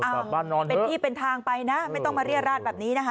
อ้าวเป็นที่เป็นทางไปนะไม่ต้องมาเรียกราชแบบนี้นะคะ